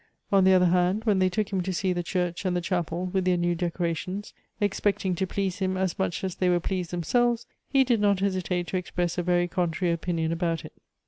On the other hand, when they took him to sec the church and the chapel with their new decorations, expecting to please him as much as thoy wore ])leased themsclvos, he did not hesitate to express a very contrary opinion about it.